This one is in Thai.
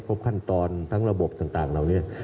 ครบขั้นตอนทั้งระบบต่างเรา